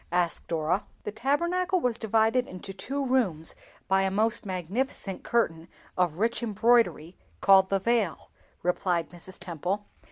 asked Dora. "The Tabernacle was divided into two rooms by a most magnificent curtain of rich embroidery called the 'Veil,'" replied Mrs. Temple.